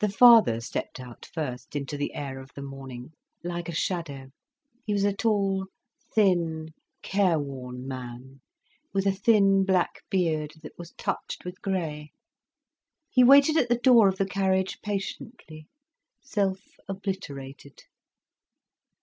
The father stepped out first into the air of the morning, like a shadow. He was a tall, thin, careworn man, with a thin black beard that was touched with grey. He waited at the door of the carriage patiently, self obliterated.